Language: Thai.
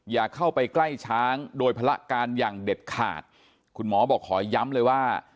อย่าเข้าไปใกล้ช้างโดยภาระการอย่างเด็ดขาดคุณหมอบอกขอย้ำเลยว่า